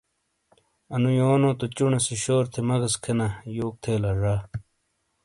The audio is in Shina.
انو یونو تو چونے سے شور تھے مغز کھینا یوک تھے لا زا ۔